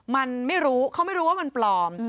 มันไม่รู้เขาไม่รู้ว่ามันปลอม